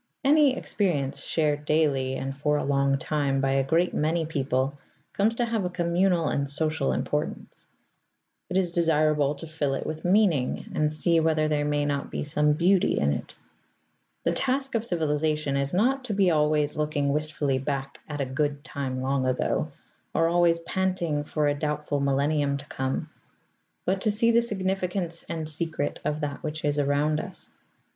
Any experience shared daily and for a long time by a great many people comes to have a communal and social importance; it is desirable to fill it with meaning and see whether there may not be some beauty in it. The task of civilization is not to be always looking wistfully back at a Good Time long ago, or always panting for a doubtful millennium to come; but to see the significance and secret of that which is around us.